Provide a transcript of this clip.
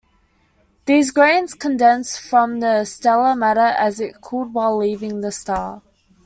These grains condensed from the stellar matter as it cooled while leaving the star.